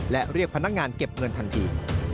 และเรียกพนักงานเก็บเงินทันที